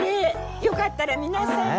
よかったら皆さんで。